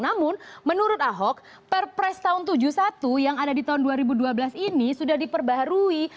namun menurut ahok perpres no tujuh puluh satu yang ada di tahun dua ribu dua belas ini sudah diperbarui